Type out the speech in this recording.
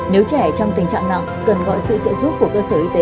nếu trẻ trong tình trạng nặng cần gọi sự trợ giúp của cơ sở y tế để được xử trí kịp thời